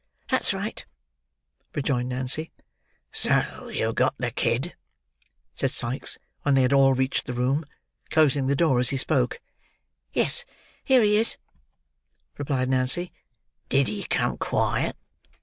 "That's right," rejoined Nancy. "So you've got the kid," said Sikes when they had all reached the room: closing the door as he spoke. "Yes, here he is," replied Nancy. "Did he come quiet?"